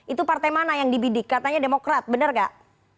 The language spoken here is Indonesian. itu partai mana yang dibidik katanya demokrat benar gak